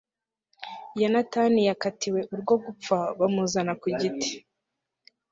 yonatani yakatiwe urwo gupfa bamuzana ku giti